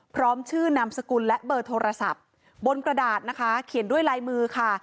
พร้อมชื่อนามสกุลและเบอร์โทรศัพท์บนกระดาษนะคะเขียนด้วยลายมือค่ะ